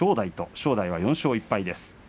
正代は４勝１敗です。